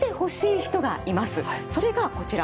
それがこちら。